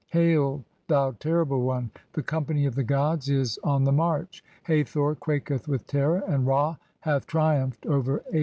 Hail, thou terrible one, the company of the gods 'is on (22) the march. Hathor quaketh with terror, and Ra hath 'triumphed over Apep."